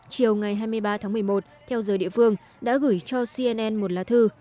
chiều ngày hai mươi ba tháng một mươi một theo giờ địa phương đã gửi cho cnn một lá thư